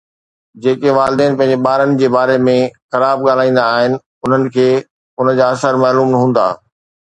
جيڪي والدين پنهنجي ٻارن جي باري ۾ خراب ڳالهائيندا آهن انهن کي ان جا اثر معلوم هوندا